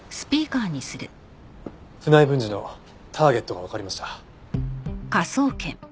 船井文治のターゲットがわかりました。